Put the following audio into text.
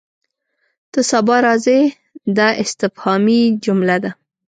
ته سبا راځې؟ دا استفهامي جمله ده.